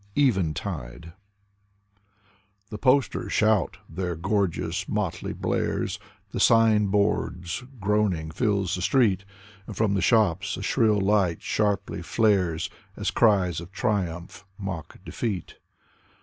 Valery Brusov 87 EVENTIDE The posters shout, their gorgeous motley blares, The signboards' groaning fills the street, And from the shops a shrill light sharply flares, As cries of triumph mock defeat.